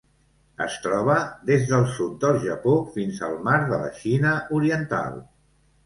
Es troba des del sud del Japó fins al Mar de la Xina Oriental.